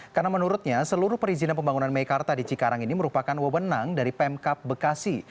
karena menurutnya seluruh perizinan pembangunan meikarta di cikarang ini merupakan wabonang dari pemkap bekasi